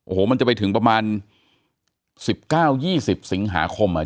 โอ้โหมันจะไปถึงประมาณ๑๙๒๐สิงหาคม